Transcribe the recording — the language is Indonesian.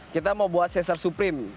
kita mau buat cesar supreme